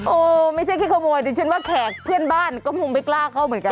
โอ้ไม่ใช่แค่ขโมยดิฉันว่าแขกเพื่อนบ้านก็คงไม่กล้าเข้าเหมือนกัน